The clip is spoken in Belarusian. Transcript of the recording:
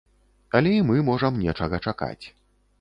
Але і мы можам нечага чакаць.